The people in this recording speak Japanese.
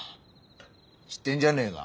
知ってんじゃねえが？